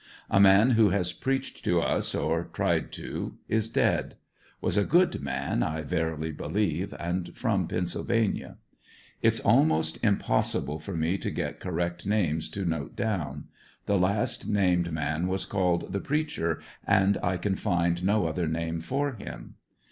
A man who has preached to us (or tried to) is dead. Was a good man I verily believe, and from Pennsylvania. It's almost impossible for me to get correct names to note down; the last named man was called * 'the preacher," and I can find no other name for him.